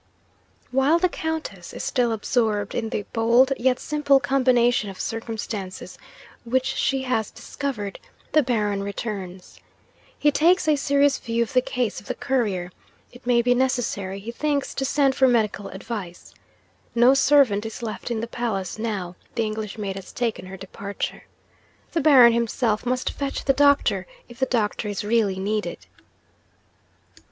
'While the Countess is still absorbed in the bold yet simple combination of circumstances which she has discovered, the Baron returns. He takes a serious view of the case of the Courier; it may be necessary, he thinks, to send for medical advice. No servant is left in the palace, now the English maid has taken her departure. The Baron himself must fetch the doctor, if the doctor is really needed.